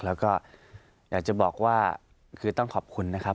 แล้วก็อยากจะบอกว่าคือต้องขอบคุณนะครับ